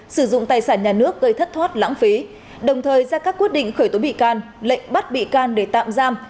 sử dụng tài sản nhà nước gây thất thoát lãng phí đồng thời ra các quyết định khởi tố bị can lệnh bắt bị can để tạm giam